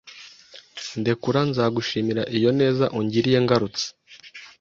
Ndekura nzagushimira iyo neza ungiriye ngarutse